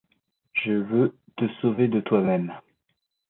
Je veux te sauver de toi-même.